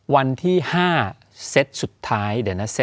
วันที่๕เซตสุดท้าย